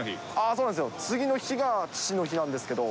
そうなんですよ、次の日が父の日なんですけど。